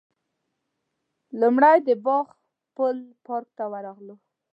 لومړی د باغ پل پارک ته ورغلو.